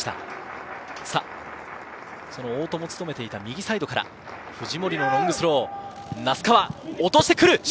大戸も務めていた右サイドから藤森のロングスローをしてくる。